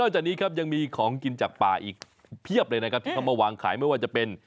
จากนี้ครับยังมีของกินจากป่าอีกเพียบเลยนะครับที่เขามาวางขายไม่ว่าจะเป็น